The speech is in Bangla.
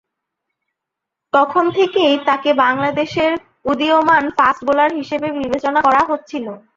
তখন থেকেই তাকে বাংলাদেশের উদীয়মান ফাস্ট-বোলার হিসেবে বিবেচনা করা হচ্ছিল।